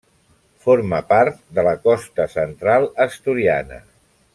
Forma part de la Costa Central asturiana.